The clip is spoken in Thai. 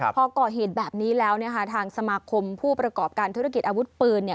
พอก่อเหตุแบบนี้แล้วทางสมาคมผู้ประกอบการธุรกิจอาวุธปืน